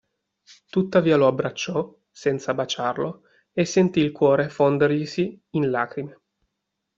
Tuttavia lo abbracciò, senza baciarlo, e sentì il cuore fonderglisi in lacrime.